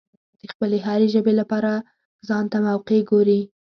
د خپلې هرې ژبې لپاره ځانته موقع ګوري.